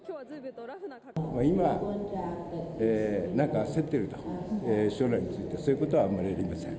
今、なんか焦っていると、将来について、そういうことはあまりありません。